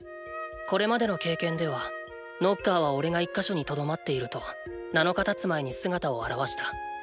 これまでの経験ではノッカーはおれが１か所に留まっていると７日経つ前に姿を現した。